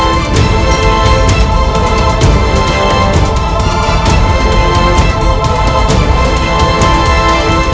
aku harus menggunakan ajem pabuk kasku